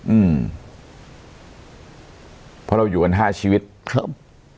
อืมเพราะเราอยู่กันห้าชีวิตครับ